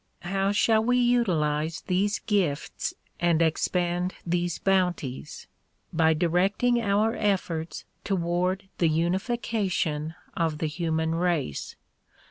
How shall we utilize these gifts and expend these bounties? By directing our efforts toward the unification of the human race.